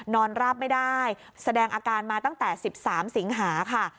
ราบไม่ได้แสดงอาการมาตั้งแต่๑๓สิงหาค่ะ